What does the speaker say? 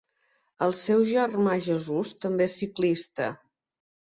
El seu germà Jesús també és ciclista.